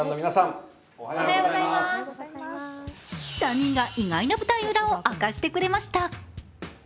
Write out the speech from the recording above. ３人が意外な舞台裏を明かしてくれました。